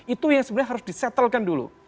itu yang sebenarnya harus disetelkan dulu